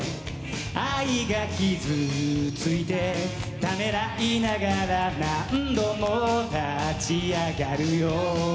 「愛が傷ついてためらいながら」「何度も立ち上がるよ」